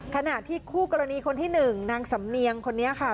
ขณะที่คู่กรณีคนที่๑นางสำเนียงคนนี้ค่ะ